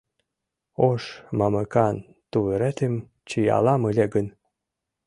Ош мамыкан тувыретым чиялам ыле гын